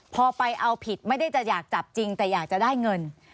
พอไปเอาผิดไม่ได้จะอยากจับจริงแต่อยากจะได้เงิน